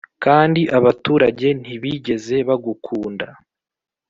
kandi abaturage ntibigeze bagukunda.